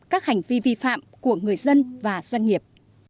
các hành vi vi phạm của người dân và doanh nghiệp